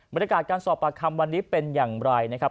บรรยากาศการสอบปากคำวันนี้เป็นอย่างไรนะครับ